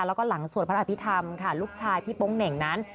แล้วก็หลังสวดพระอภิษฐรรมค่ะลูกชายพี่โป๊งเหน่งนั้น